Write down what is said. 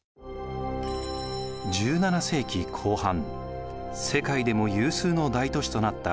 １７世紀後半世界でも有数の大都市となった江戸。